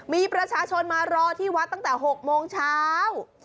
มีประชาชนมารอที่วัดตั้งแต่๖โมงเช้า